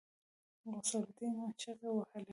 غوث الدين چيغې وهلې.